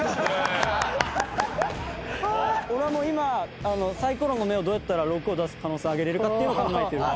俺はもう今サイコロの目をどうやったら６を出す可能性を上げれるかっていうのを考えてるから。